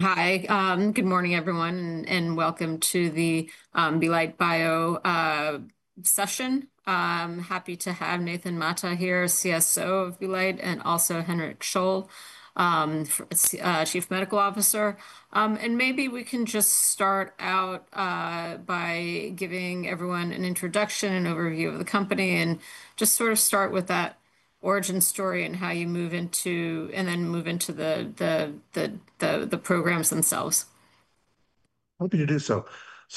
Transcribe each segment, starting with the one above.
Hi, good morning, everyone, and welcome to the Belite Bio session. Happy to have Nathan Mata here, CSO of Belite, and also Hendrik Scholl, Chief Medical Officer. Maybe we can just start out by giving everyone an introduction, an overview of the company, and just sort of start with that origin story and how you move into, and then move into the programs themselves. Happy to do so.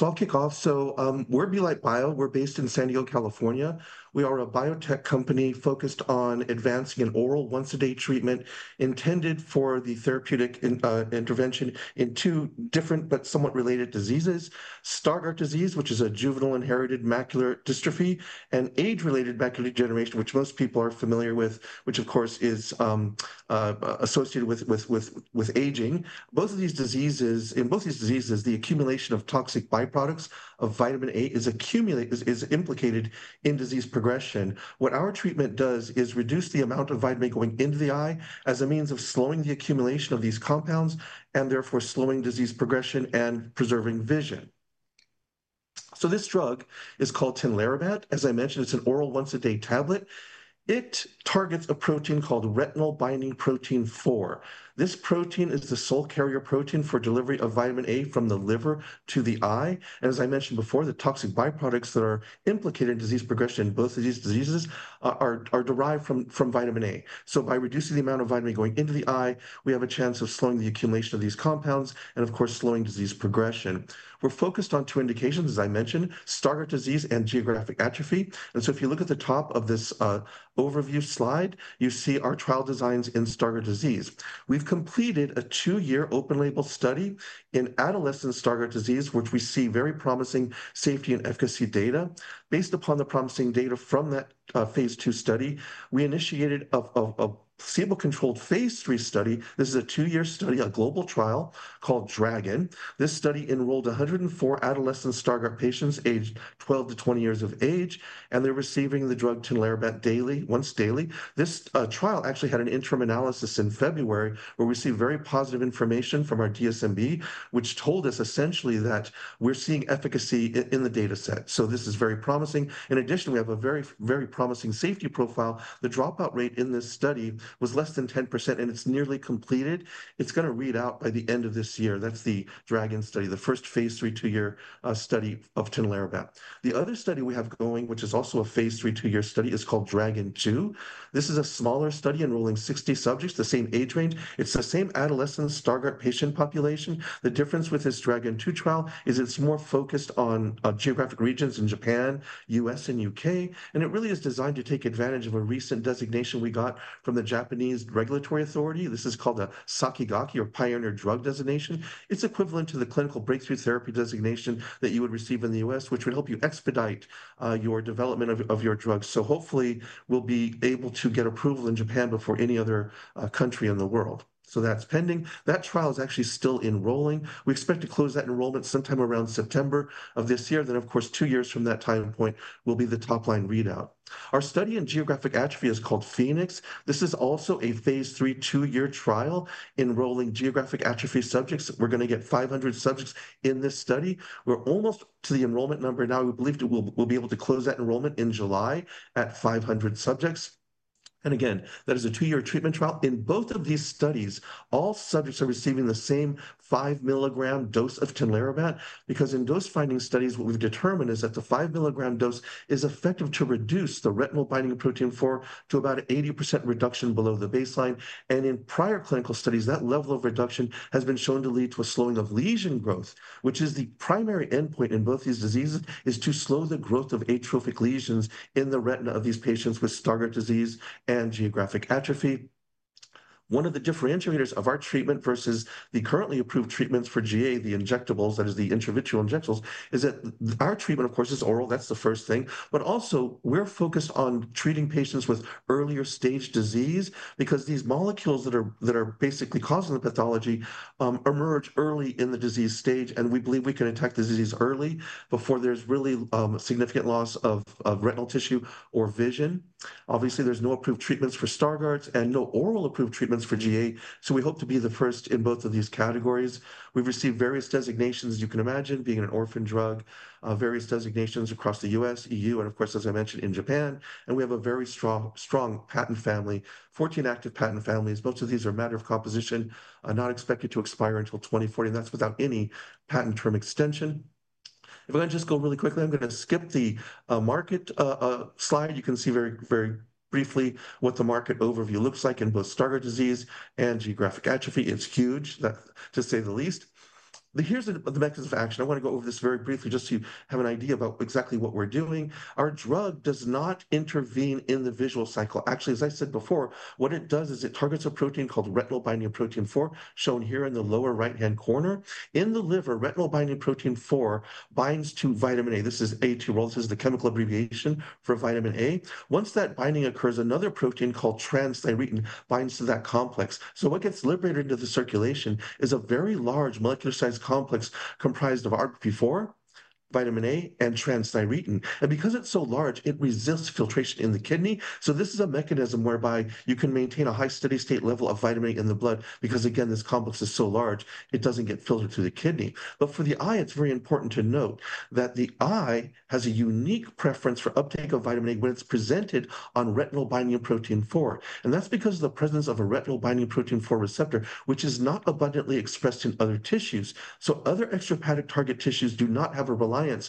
I'll kick off. We're Belite Bio. We're based in San Diego, California. We are a biotech company focused on advancing an oral once-a-day treatment intended for the therapeutic intervention in two different but somewhat related diseases: Stargardt disease, which is a juvenile inherited macular dystrophy, and age-related macular degeneration, which most people are familiar with, which, of course, is associated with aging. In both of these diseases, the accumulation of toxic byproducts of Vitamin A is implicated in disease progression. What our treatment does is reduce the amount of Vitamin A going into the eye as a means of slowing the accumulation of these compounds and therefore slowing disease progression and preserving vision. This drug is called tinlarebant. As I mentioned, it's an oral once-a-day tablet. It targets a protein called Retinol-Binding Protein 4. This protein is the sole carrier protein for delivery of Vitamin A from the liver to the eye. As I mentioned before, the toxic byproducts that are implicated in disease progression in both of these diseases are derived from Vitamin A. By reducing the amount of Vitamin A going into the eye, we have a chance of slowing the accumulation of these compounds and, of course, slowing disease progression. We're focused on two indications, as I mentioned, Stargardt disease and geographic atrophy. If you look at the top of this overview slide, you see our trial designs in Stargardt disease. We've completed a two-year open-label study in adolescent Stargardt disease, which we see very promising safety and efficacy data. Based upon the promising data from that phase two study, we initiated a placebo-controlled phase three study. This is a two-year study, a global trial called DRAGON. This study enrolled 104 adolescent Stargardt patients aged 12 to 20 years of age, and they're receiving the drug tinlarebant daily, once daily. This trial actually had an interim analysis in February where we received very positive information from our DSMB, which told us essentially that we're seeing efficacy in the data set. This is very promising. In addition, we have a very, very promising safety profile. The dropout rate in this study was less than 10%, and it's nearly completed. It's going to read out by the end of this year. That's the DRAGON study, the first phase III two-year study of tinlarebant. The other study we have going, which is also a phase III two-year study, is called DRAGON 2. This is a smaller study enrolling 60 subjects, the same age range. It's the same adolescent Stargardt patient population. The difference with this DRAGON 2 trial is it's more focused on geographic regions in Japan, the U.S., and the U.K. It really is designed to take advantage of a recent designation we got from the Japanese Regulatory Authority. This is called a SAKIGAKE or Pioneer Drug Designation. It's equivalent to the clinical breakthrough therapy designation that you would receive in the U.S., which would help you expedite your development of your drug. Hopefully, we'll be able to get approval in Japan before any other country in the world. That's pending. That trial is actually still enrolling. We expect to close that enrollment sometime around September of this year. Of course, two years from that time point will be the top line readout. Our study in geographic atrophy is called PHEONIX. This is also a phase III two-year trial enrolling geographic atrophy subjects. We're going to get 500 subjects in this study. We're almost to the enrollment number now. We believe we'll be able to close that enrollment in July at 500 subjects. That is a two-year treatment trial. In both of these studies, all subjects are receiving the same 5 mg dose of tinlarebant because in dose finding studies, what we've determined is that the 5 mg dose is effective to reduce the Retinol-Binding Protein 4 to about an 80% reduction below the baseline. In prior clinical studies, that level of reduction has been shown to lead to a slowing of lesion growth, which is the primary endpoint in both these diseases, to slow the growth of atrophic lesions in the retina of these patients with Stargardt disease and geographic atrophy. One of the differentiators of our treatment versus the currently approved treatments for GA, the injectables, that is, the intravitreal injectables, is that our treatment, of course, is oral. That's the first thing. We are focused on treating patients with earlier stage disease because these molecules that are basically causing the pathology emerge early in the disease stage. We believe we can attack the disease early before there's really significant loss of retinal tissue or vision. Obviously, there's no approved treatments for Stargardt and no oral approved treatments for GA. We hope to be the first in both of these categories. We've received various designations, as you can imagine, being an orphan drug, various designations across the U.S., EU, and of course, as I mentioned, in Japan. We have a very strong patent family, 14 active patent families. Most of these are matter of composition, not expected to expire until 2040. That's without any patent term extension. If I just go really quickly, I'm going to skip the market slide. You can see very, very briefly what the market overview looks like in both Stargardt disease and geographic atrophy. It's huge, to say the least. Here's the mechanism of action. I want to go over this very briefly just to have an idea about exactly what we're doing. Our drug does not intervene in the visual cycle. Actually, as I said before, what it does is it targets a protein called Retinol-Binding Protein 4, shown here in the lower right-hand corner. In the liver, Retinol-Binding Protein 4 binds to Vitamin A. This is A2. This is the chemical abbreviation for Vitamin A. Once that binding occurs, another protein called transthyretin binds to that complex. What gets liberated into the circulation is a very large molecular size complex comprised of RBP4, Vitamin A, and transthyretin. Because it is so large, it resists filtration in the kidney. This is a mechanism whereby you can maintain a high steady state level of Vitamin A in the blood because, again, this complex is so large, it does not get filtered through the kidney. For the eye, it is very important to note that the eye has a unique preference for uptake of Vitamin A when it is presented on Retinol-Binding Protein 4. That is because of the presence of a Retinol-Binding Protein 4 receptor, which is not abundantly expressed in other tissues. Other extrahepatic target tissues do not have a reliance for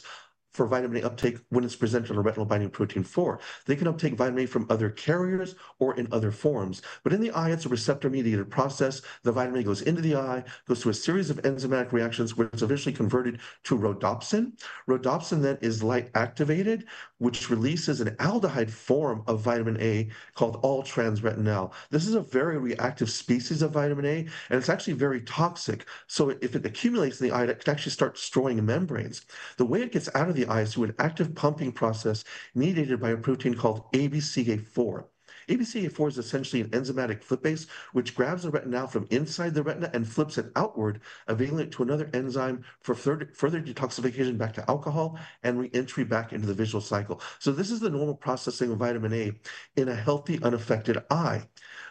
Vitamin A uptake when it is presented on a Retinol-Binding Protein 4. They can uptake Vitamin A from other carriers or in other forms. In the eye, it's a receptor-mediated process. The Vitamin A goes into the eye, goes through a series of enzymatic reactions where it's eventually converted to rhodopsin. Rhodopsin then is light activated, which releases an aldehyde form of Vitamin A called all-trans-retinal. This is a very reactive species of Vitamin A, and it's actually very toxic. If it accumulates in the eye, it can actually start destroying membranes. The way it gets out of the eye is through an active pumping process mediated by a protein called ABCA4. ABCA4 is essentially an enzymatic flip base, which grabs the retinal from inside the retina and flips it outward, availing it to another enzyme for further detoxification back to alcohol and reentry back into the visual cycle. This is the normal processing of Vitamin A in a healthy, unaffected eye.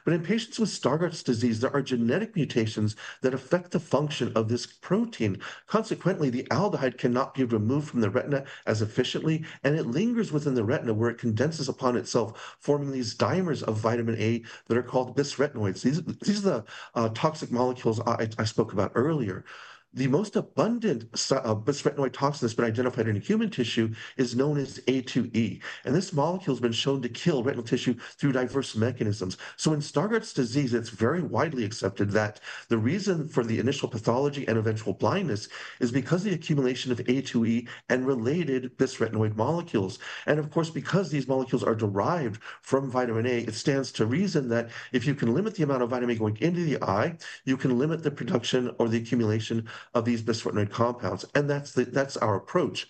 In patients with Stargardt disease, there are genetic mutations that affect the function of this protein. Consequently, the aldehyde cannot be removed from the retina as efficiently, and it lingers within the retina where it condenses upon itself, forming these dimers of Vitamin A that are called bisretinoids. These are the toxic molecules I spoke about earlier. The most abundant bisretinoid toxin that's been identified in human tissue is known as A2E. This molecule has been shown to kill retinal tissue through diverse mechanisms. In Stargardt disease, it's very widely accepted that the reason for the initial pathology and eventual blindness is because of the accumulation of A2E and related bisretinoid molecules. Of course, because these molecules are derived from Vitamin A, it stands to reason that if you can limit the amount of Vitamin A going into the eye, you can limit the production or the accumulation of these bisretinoid compounds. That's our approach.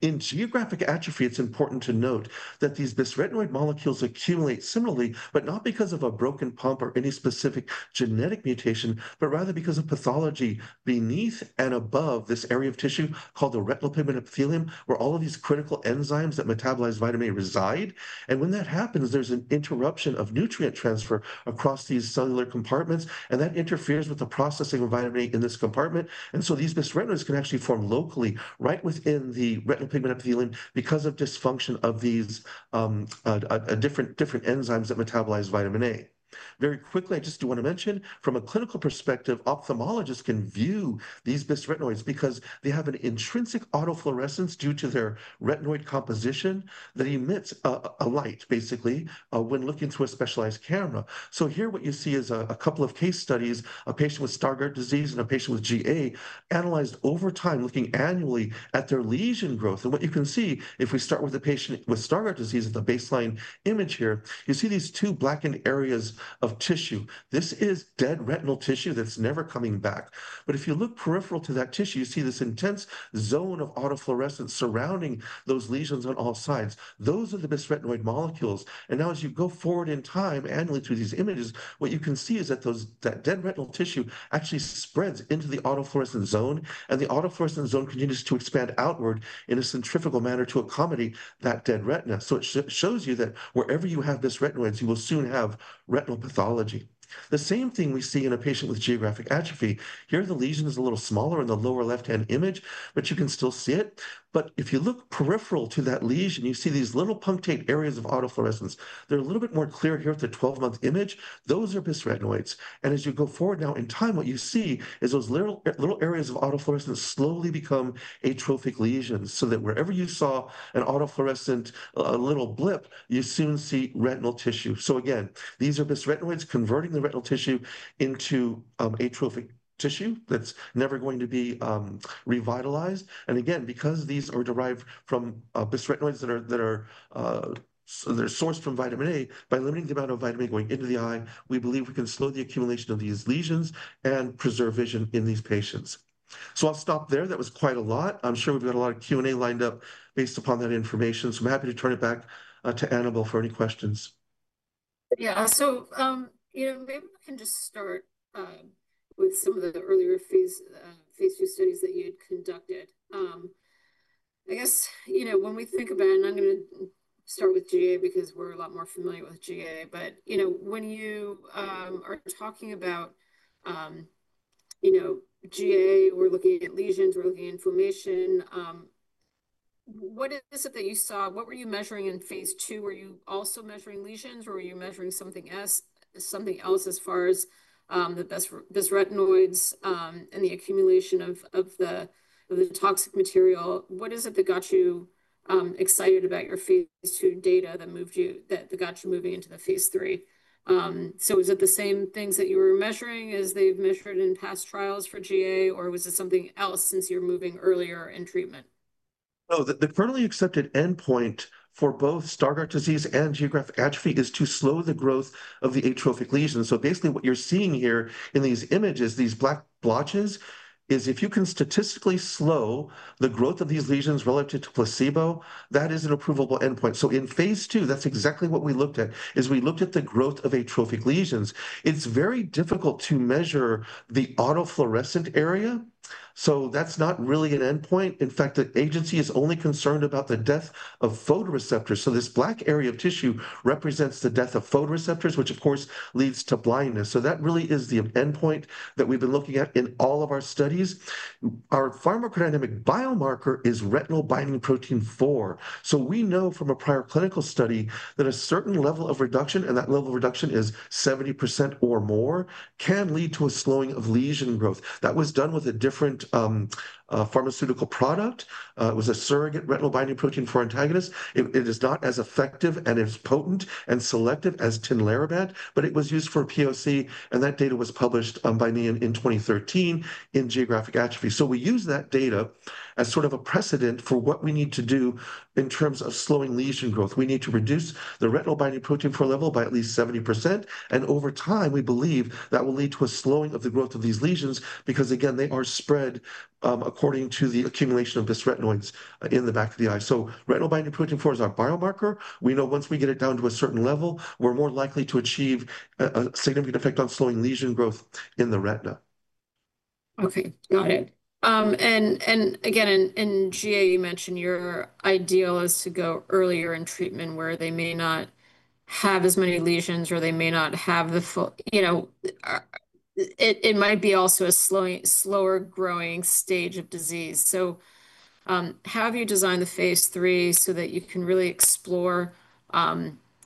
In geographic atrophy, it's important to note that these bisretinoid molecules accumulate similarly, not because of a broken pump or any specific genetic mutation, but rather because of pathology beneath and above this area of tissue called the retinal pigment epithelium, where all of these critical enzymes that metabolize Vitamin A reside. When that happens, there's an interruption of nutrient transfer across these cellular compartments, and that interferes with the processing of Vitamin A in this compartment. These bisretinoids can actually form locally right within the retinal pigment epithelium because of dysfunction of these different enzymes that metabolize Vitamin A. Very quickly, I just do want to mention, from a clinical perspective, ophthalmologists can view these bisretinoids because they have an intrinsic autofluorescence due to their retinoid composition that emits a light, basically, when looking through a specialized camera. Here, what you see is a couple of case studies, a patient with Stargardt disease and a patient with GA, analyzed over time, looking annually at their lesion growth. What you can see, if we start with a patient with Stargardt disease at the baseline image here, you see these two blackened areas of tissue. This is dead retinal tissue that's never coming back. If you look peripheral to that tissue, you see this intense Zone of Autofluorescence surrounding those lesions on all sides. Those are the bisretinoid molecules. Now, as you go forward in time annually through these images, what you can see is that dead retinal tissue actually spreads into the autofluorescent zone, and the autofluorescent zone continues to expand outward in a centrifugal manner to accommodate that dead retina. It shows you that wherever you have bisretinoids, you will soon have retinal pathology. The same thing we see in a patient with geographic atrophy. Here, the lesion is a little smaller in the lower left-hand image, but you can still see it. If you look peripheral to that lesion, you see these little punctate areas of autofluorescence. They're a little bit more clear here at the 12-month image. Those are bisretinoids. As you go forward now in time, what you see is those little areas of autofluorescence slowly become atrophic lesions so that wherever you saw an autofluorescent little blip, you soon see retinal tissue. These are bisretinoids converting the retinal tissue into atrophic tissue that's never going to be revitalized. Because these are derived from bisretinoids that are sourced from Vitamin A, by limiting the amount of Vitamin A going into the eye, we believe we can slow the accumulation of these lesions and preserve vision in these patients. I'll stop there. That was quite a lot. I'm sure we've got a lot of Q&A lined up based upon that information. I'm happy to turn it back to Annabel for any questions. Yeah. Maybe we can just start with some of the earlier phase II studies that you'd conducted. I guess when we think about, and I'm going to start with GA because we're a lot more familiar with GA, but when you are talking about GA, we're looking at lesions, we're looking at inflammation. What is it that you saw? What were you measuring in phase two? Were you also measuring lesions, or were you measuring something else as far as the bisretinoids and the accumulation of the toxic material? What is it that got you excited about your phase two data that moved you, that got you moving into the phase three? Is it the same things that you were measuring as they've measured in past trials for GA, or was it something else since you're moving earlier in treatment? The currently accepted endpoint for both Stargardt disease and geographic atrophy is to slow the growth of the atrophic lesions. Basically, what you're seeing here in these images, these black blotches, is if you can statistically slow the growth of these lesions relative to placebo, that is an approvable endpoint. In phase two, that's exactly what we looked at, is we looked at the growth of atrophic lesions. It's very difficult to measure the autofluorescent area. That's not really an endpoint. In fact, the agency is only concerned about the death of photoreceptors. This black area of tissue represents the death of photoreceptors, which, of course, leads to blindness. That really is the endpoint that we've been looking at in all of our studies. Our pharmacodynamic biomarker is Retinol-Binding Protein 4. We know from a prior clinical study that a certain level of reduction, and that level of reduction is 70% or more, can lead to a slowing of lesion growth. That was done with a different pharmaceutical product. It was a surrogate Retinol-Binding Protein 4 antagonist. It is not as effective and as potent and selective as tinlarebant, but it was used for POC, and that data was published by NiAN in 2013 in geographic atrophy. We use that data as sort of a precedent for what we need to do in terms of slowing lesion growth. We need to reduce the Retinol-Binding Protein 4 level by at least 70%. Over time, we believe that will lead to a slowing of the growth of these lesions because, again, they are spread according to the accumulation of bisretinoids in the back of the eye. Retinol-Binding Protein 4 is our biomarker. We know once we get it down to a certain level, we're more likely to achieve a significant effect on slowing lesion growth in the retina. Okay. Got it. In GA, you mentioned your ideal is to go earlier in treatment where they may not have as many lesions or they may not have the—it might be also a slower-growing stage of disease. How have you designed the phase three so that you can really explore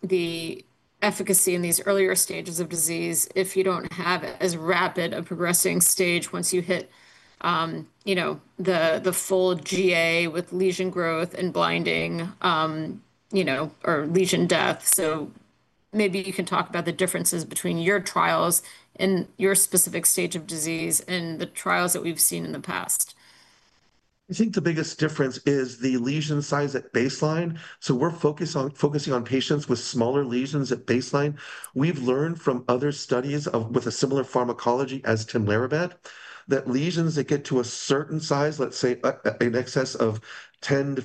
the efficacy in these earlier stages of disease if you do not have as rapid a progressing stage once you hit the full GA with lesion growth and blinding or lesion death? Maybe you can talk about the differences between your trials in your specific stage of disease and the trials that we've seen in the past. I think the biggest difference is the lesion size at baseline. We're focusing on patients with smaller lesions at baseline. We've learned from other studies with a similar pharmacology as tinlarebant that lesions that get to a certain size, let's say in excess of 10-15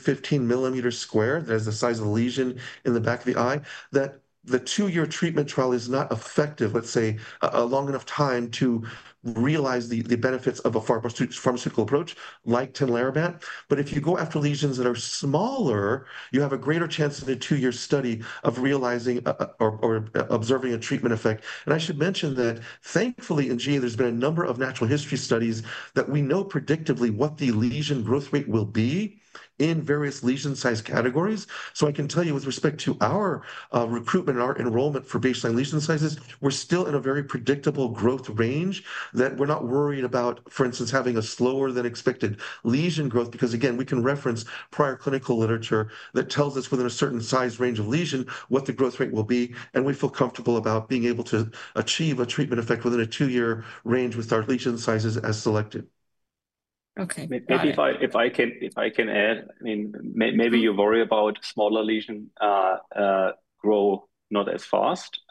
mm sq, that is the size of the lesion in the back of the eye, that the two-year treatment trial is not effective, let's say, long enough time to realize the benefits of a pharmaceutical approach like tinlarebant. If you go after lesions that are smaller, you have a greater chance in a two-year study of realizing or observing a treatment effect. I should mention that, thankfully, in GA, there's been a number of natural history studies that we know predictably what the lesion growth rate will be in various lesion size categories. I can tell you, with respect to our recruitment and our enrollment for baseline lesion sizes, we're still in a very predictable growth range that we're not worried about, for instance, having a slower-than-expected lesion growth because, again, we can reference prior clinical literature that tells us within a certain size range of lesion what the growth rate will be. We feel comfortable about being able to achieve a treatment effect within a two-year range with our lesion sizes as selected. Okay. Maybe if I can add, I mean, maybe you worry about smaller lesions growing not as fast,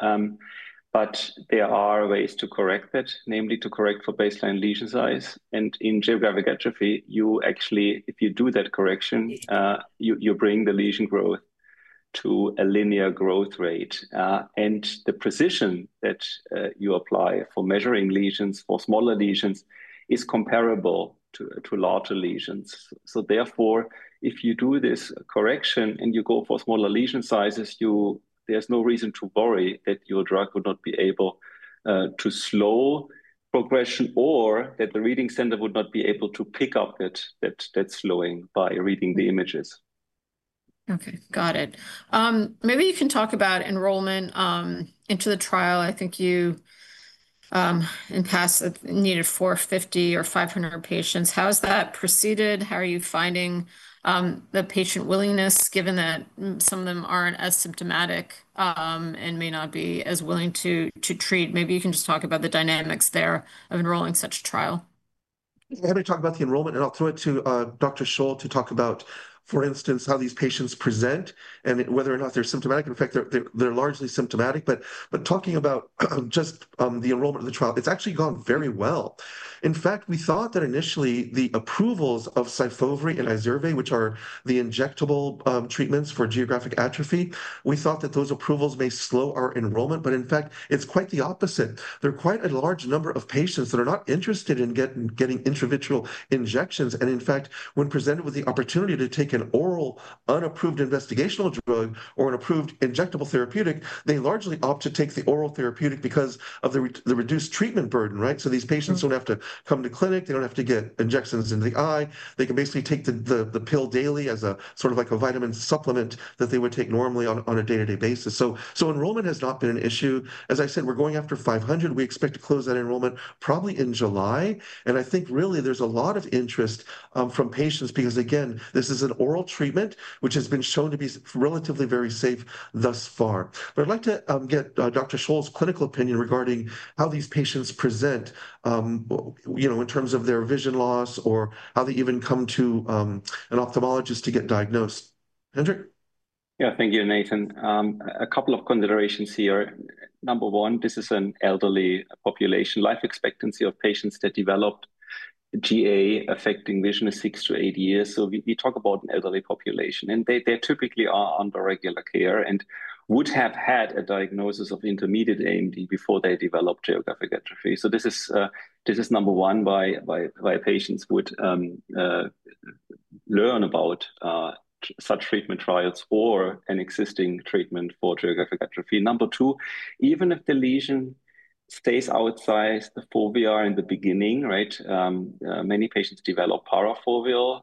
but there are ways to correct that, namely to correct for baseline lesion size. In geographic atrophy, you actually, if you do that correction, you bring the lesion growth to a linear growth rate. The precision that you apply for measuring lesions for smaller lesions is comparable to larger lesions. Therefore, if you do this correction and you go for smaller lesion sizes, there's no reason to worry that your drug would not be able to slow progression or that the reading center would not be able to pick up that slowing by reading the images. Okay. Got it. Maybe you can talk about enrollment into the trial. I think you in past needed 450 or 500 patients. How has that proceeded? How are you finding the patient willingness, given that some of them aren't as symptomatic and may not be as willing to treat? Maybe you can just talk about the dynamics there of enrolling such a trial. Maybe talk about the enrollment, and I'll throw it to Dr. Scholl to talk about, for instance, how these patients present and whether or not they're symptomatic. In fact, they're largely symptomatic. Talking about just the enrollment of the trial, it's actually gone very well. In fact, we thought that initially the approvals of Syfovre and Izervay, which are the injectable treatments for geographic atrophy, we thought that those approvals may slow our enrollment. In fact, it's quite the opposite. There are quite a large number of patients that are not interested in getting intravitreal injections. In fact, when presented with the opportunity to take an oral unapproved investigational drug or an approved injectable therapeutic, they largely opt to take the oral therapeutic because of the reduced treatment burden, right? These patients don't have to come to clinic. They don't have to get injections into the eye. They can basically take the pill daily as a sort of like a vitamin supplement that they would take normally on a day-to-day basis. Enrollment has not been an issue. As I said, we're going after 500. We expect to close that enrollment probably in July. I think really there's a lot of interest from patients because, again, this is an oral treatment which has been shown to be relatively very safe thus far. I'd like to get Dr. Scholl's clinical opinion regarding how these patients present in terms of their vision loss or how they even come to an ophthalmologist to get diagnosed. Hendrik? Yeah. Thank you, Nathan. A couple of considerations here. Number one, this is an elderly population. Life expectancy of patients that developed GA affecting vision is six to eight years. We talk about an elderly population, and they typically are under regular care and would have had a diagnosis of intermediate AMD before they developed geographic atrophy. This is number one why patients would learn about such treatment trials or an existing treatment for geographic atrophy. Number two, even if the lesion stays outside the fovea in the beginning, right, many patients develop parafoveal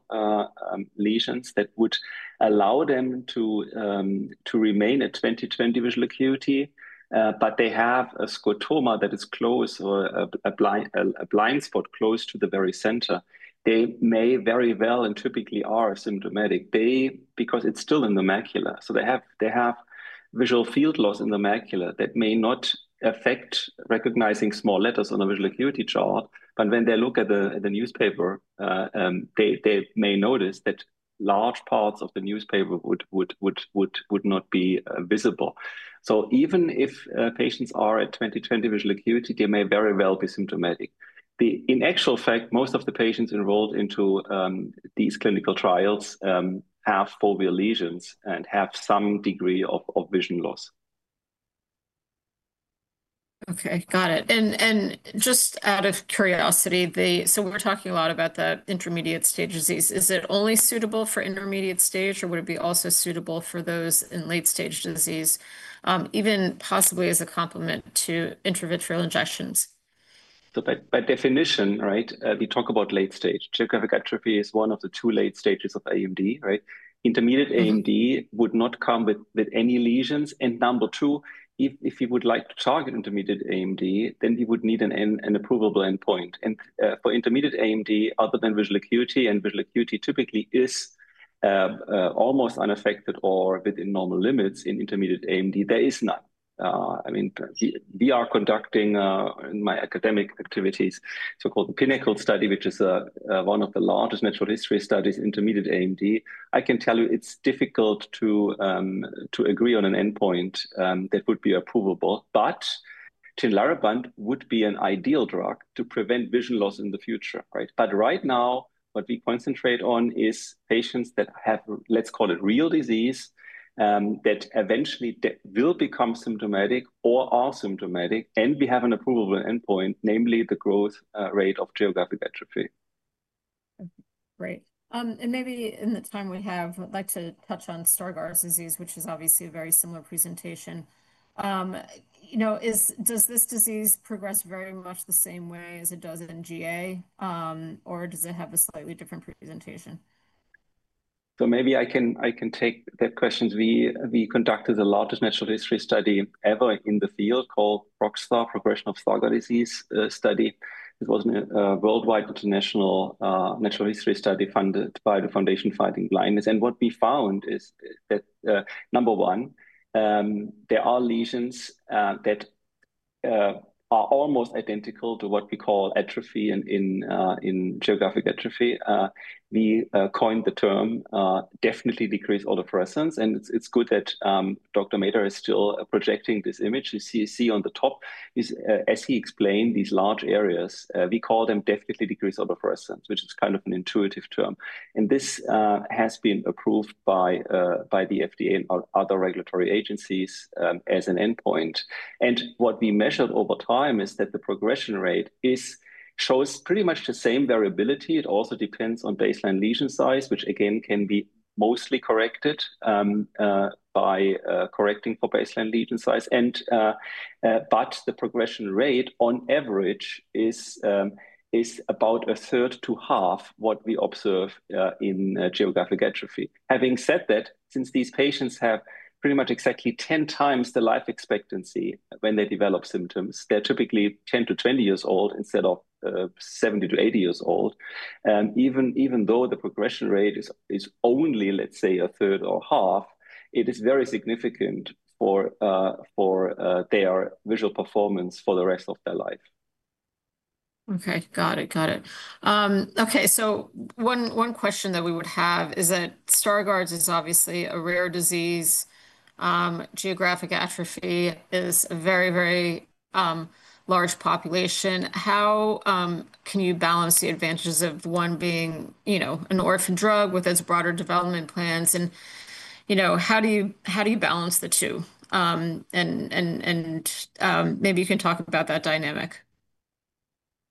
lesions that would allow them to remain at 20/20 visual acuity, but they have a scotoma that is close or a blind spot close to the very center. They may very well and typically are symptomatic because it is still in the macula. They have visual field loss in the macula that may not affect recognizing small letters on a visual acuity chart. When they look at the newspaper, they may notice that large parts of the newspaper would not be visible. Even if patients are at 20/20 visual acuity, they may very well be symptomatic. In actual fact, most of the patients enrolled into these clinical trials have foveal lesions and have some degree of vision loss. Okay. Got it. Just out of curiosity, we are talking a lot about the intermediate stage disease. Is it only suitable for intermediate stage, or would it be also suitable for those in late-stage disease, even possibly as a complement to intravitreal injections? By definition, right, we talk about late-stage. Geographic atrophy is one of the two late stages of AMD, right? Intermediate AMD would not come with any lesions. Number two, if you would like to target intermediate AMD, then you would need an approvable endpoint. For intermediate AMD, other than visual acuity, and visual acuity typically is almost unaffected or within normal limits in intermediate AMD, there is none. I mean, we are conducting, in my academic activities, the so-called PINNACLE Study, which is one of the largest natural history studies in intermediate AMD. I can tell you it's difficult to agree on an endpoint that would be approvable, but tinlarebant would be an ideal drug to prevent vision loss in the future, right? Right now, what we concentrate on is patients that have, let's call it, real disease that eventually will become symptomatic or are symptomatic, and we have an approvable endpoint, namely the growth rate of geographic atrophy. Great. Maybe in the time we have, I'd like to touch on Stargardt disease, which is obviously a very similar presentation. Does this disease progress very much the same way as it does in GA, or does it have a slightly different presentation? Maybe I can take the questions. We conducted the largest natural history study ever in the field called ProgStar Progression of Stargardt Disease Study. It was a worldwide international natural history study funded by the Foundation Fighting Blindness. What we found is that, number one, there are lesions that are almost identical to what we call atrophy in geographic atrophy. We coined the term definitely decreased autofluorescence. It is good that Dr. Mata is still projecting this image. You see on the top, as he explained, these large areas, we call them definitely decreased autofluorescence, which is kind of an intuitive term. This has been approved by the FDA and other regulatory agencies as an endpoint. What we measured over time is that the progression rate shows pretty much the same variability. It also depends on baseline lesion size, which, again, can be mostly corrected by correcting for baseline lesion size. The progression rate, on average, is about a third to half what we observe in geographic atrophy. Having said that, since these patients have pretty much exactly 10 times the life expectancy when they develop symptoms, they're typically 10 to 20 years old instead of 70 to 80 years old. Even though the progression rate is only, let's say, a third or half, it is very significant for their visual performance for the rest of their life. Okay. Got it. Okay. One question that we would have is that Stargardt is obviously a rare disease. Geographic atrophy is a very, very large population. How can you balance the advantages of one being an orphan drug with its broader development plans? And how do you balance the two? And maybe you can talk about that dynamic.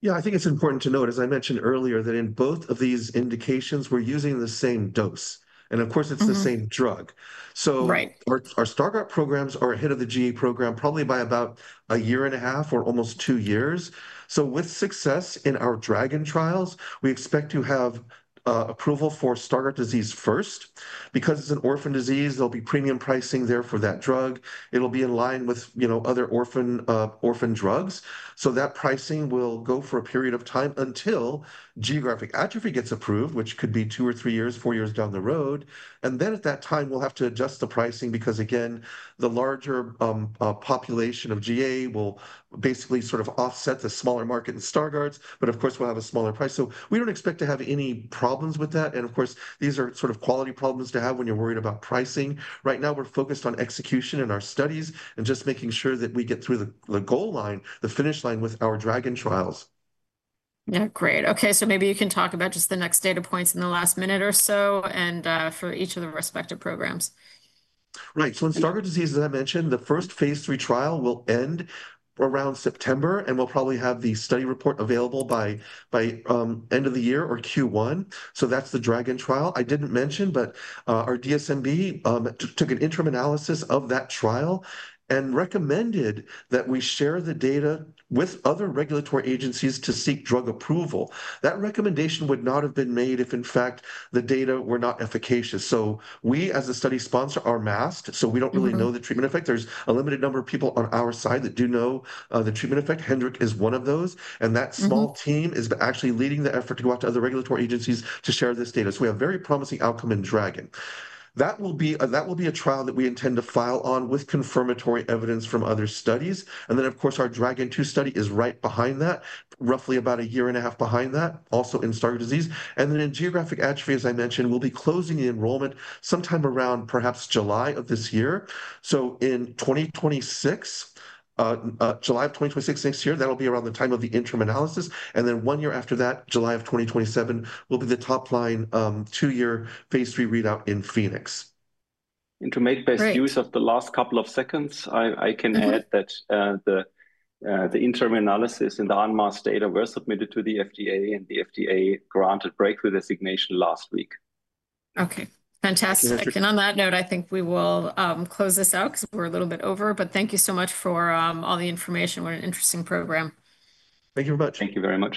Yeah. I think it's important to note, as I mentioned earlier, that in both of these indications, we're using the same dose. And of course, it's the same drug. So our Stargardt programs are ahead of the GA program probably by about a year and a half or almost two years. With success in our DRAGON trials, we expect to have approval for Stargardt disease first. Because it's an orphan disease, there'll be premium pricing there for that drug. It'll be in line with other orphan drugs. That pricing will go for a period of time until geographic atrophy gets approved, which could be two or three years, four years down the road. At that time, we'll have to adjust the pricing because, again, the larger population of GA will basically sort of offset the smaller market in Stargardt, but of course, we'll have a smaller price. We don't expect to have any problems with that. These are sort of quality problems to have when you're worried about pricing. Right now, we're focused on execution in our studies and just making sure that we get through the goal line, the finish line with our DRAGON trials. Yeah. Great. Okay. Maybe you can talk about just the next data points in the last minute or so and for each of the respective programs. Right. In Stargardt disease, as I mentioned, the first phase III trial will end around September, and we'll probably have the study report available by end of the year or Q1. That's the DRAGON trial. I didn't mention, but our DSMB took an interim analysis of that trial and recommended that we share the data with other regulatory agencies to seek drug approval. That recommendation would not have been made if, in fact, the data were not efficacious. We, as a study sponsor, are masked, so we don't really know the treatment effect. There's a limited number of people on our side that do know the treatment effect. Hendrik is one of those. That small team is actually leading the effort to go out to other regulatory agencies to share this data. We have a very promising outcome in DRAGON. That will be a trial that we intend to file on with confirmatory evidence from other studies. Of course, our DRAGON 2 study is right behind that, roughly about a year and a half behind that, also in Stargardt disease. In geographic atrophy, as I mentioned, we will be closing the enrollment sometime around perhaps July of this year. In 2026, July of 2026 next year, that will be around the time of the interim analysis. One year after that, July of 2027, will be the top line two-year phase III readout in PHEONIX. Intermediate-based use of the last couple of seconds, I can add that the interim analysis and the unmasked data were submitted to the FDA, and the FDA granted breakthrough designation last week. Okay. Fantastic. On that note, I think we will close this out because we are a little bit over. Thank you so much for all the information. What an interesting program. Thank you very much. Thank you very much.